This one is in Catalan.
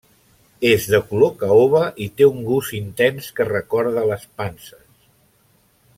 És de color caoba i té un gust intens que recorda les panses.